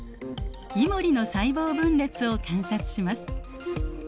イモリの細胞分裂を観察します。